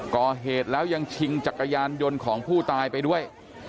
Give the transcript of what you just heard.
ก่อเหตุแล้วยังชิงจักรยานยนต์ของผู้ตายไปด้วย